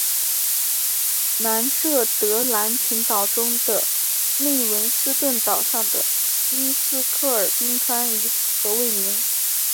南设得兰群岛中的利文斯顿岛上的伊斯克尔冰川以此河为名。